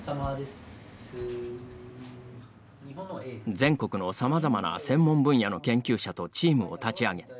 全国のさまざまな専門分野の研究者とチームを立ち上げ